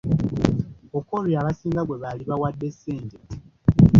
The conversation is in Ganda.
Okori abasinga gwe baali bawadde ssente.